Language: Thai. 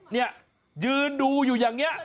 นี่ยืนดูอยู่อย่างนี้